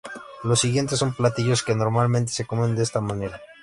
Los siguientes son platillos que normalmente se comen de esta manera.